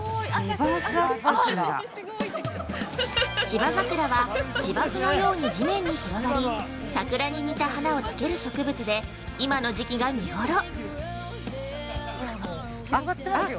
◆芝桜は、芝生のように地面に広がり桜に似た花をつける植物で今の時期が見ごろ！